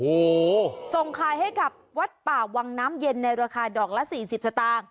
โอ้โหส่งขายให้กับวัดป่าวังน้ำเย็นในราคาดอกละสี่สิบสตางค์